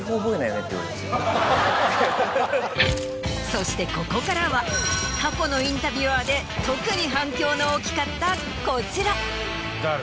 そしてここからは過去のインタビュアーで特に反響の大きかったこちら。